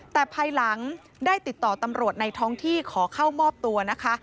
แต่ภายหลังได้ติดต่อตำรวจในท้องที่ขอเข้ามอบตัวนะคะ